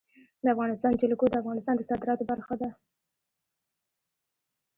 د افغانستان جلکو د افغانستان د صادراتو برخه ده.